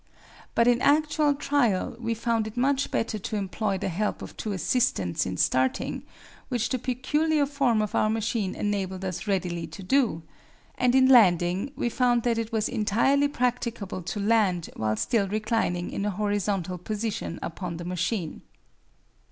But in actual trial we found it much better to employ the help of two assistants in starting, which the peculiar form of our machine enabled us readily to do; and in landing we found that it was entirely practicable to land while still reclining in a horizontal position upon the machine.